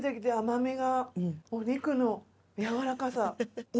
お肉の軟らかさ。